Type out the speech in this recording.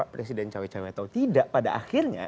presiden cawe cawe atau tidak pada akhirnya